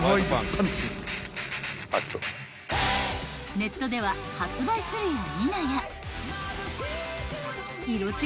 ［ネットでは発売するやいなや］